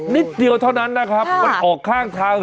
นิดเดียวเท่านั้นนะครับมันออกข้างทาง